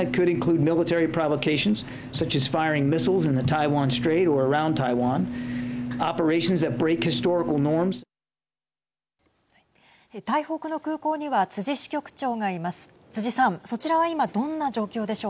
台北の空港には逵支局長がいます。